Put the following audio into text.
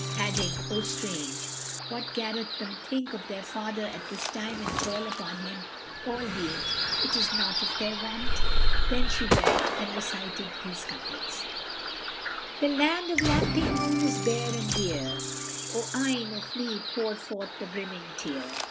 adding, "O Strange! What garreth them think of their father at this time and call upon him, albeit it is not of their wont?" Then she wept and recited these couplets, "The land of lamping moon is bare and drear; * O eyne of me pour forth the brimming tear!